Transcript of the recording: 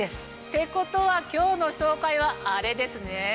てことは今日の紹介はあれですね。